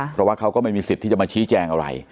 เพราะว่าเขาก็ไม่มีสิทธิ์ที่จะมาชี้แจงอะไร